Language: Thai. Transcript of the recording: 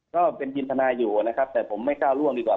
ก็เป็นทีมทนายอยู่นะครับแต่ผมไม่ก้าวล่วงดีกว่า